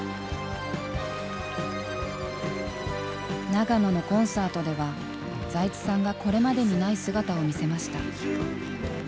長野のコンサートでは財津さんがこれまでにない姿を見せました。